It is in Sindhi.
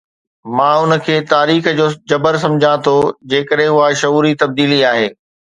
مان ان کي تاريخ جو جبر سمجهان ٿو جيڪڏهن اها شعوري تبديلي آهي.